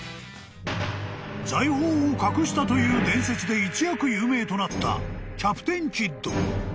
［財宝を隠したという伝説で一躍有名となったキャプテン・キッド］